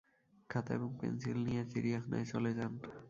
খাতা এবং পেনসিল নিয়ে চিড়িয়াখানায় চলে যান।